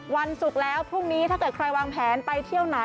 วันศุกร์แล้วพรุ่งนี้ถ้าเกิดใครวางแผนไปเที่ยวไหน